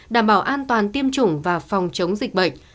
đảm bảo an toàn tiêm chủng và phòng chống dịch bệnh